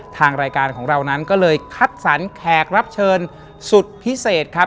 ทางรายการของเรานั้นก็เลยคัดสรรแขกรับเชิญสุดพิเศษครับ